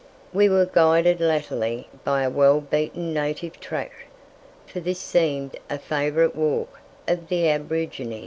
We were guided latterly by a well beaten native track, for this seemed a favourite walk of the aborigines.